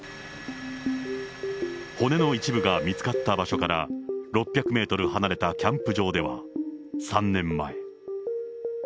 骨の一部が見つかった場所から６００メートル離れたキャンプ場では３年前。